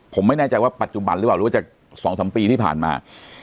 ผมไม่แน่ใจว่าปัจจุบันหรือว่าจะ๒๓ปีที่ผ่านมา